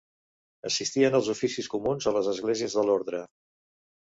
Assistien als oficis comuns a les esglésies de l'orde.